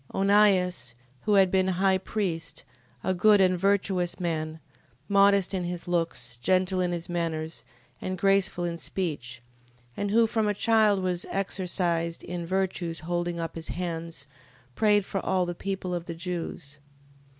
Onias, who had been high priest, a good and virtuous man, modest in his looks, gentle in his manners, and graceful in speech, and who from a child was exercised in virtues holding up his hands, prayed for all the people of the Jews: 15:13.